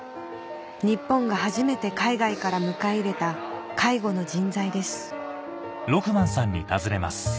日本が初めて海外から迎え入れた介護の人材です